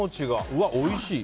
うわ、おいしい。